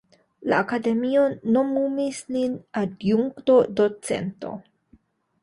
La Akademio nomumis lin Adjunkto-Docento.